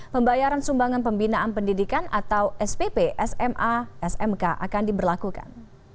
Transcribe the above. pembayaran sumbangan pembinaan pendidikan atau spp sma smk akan diberlakukan